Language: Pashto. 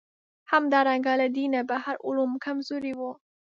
همدارنګه له دینه بهر علوم کمزوري وو.